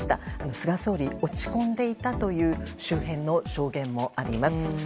菅総理、落ち込んでいたという周辺の証言もあります。